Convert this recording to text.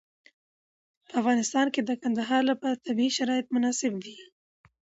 په افغانستان کې د کندهار لپاره طبیعي شرایط مناسب دي.